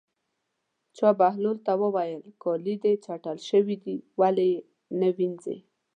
چا بهلول ته وویل: کالي دې چټل شوي دي ولې یې نه وینځې.